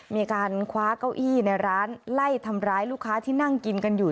มีการคว้าเก้าอี้ในร้านไล่ทำร้ายลูกค้าที่นั่งกินกันอยู่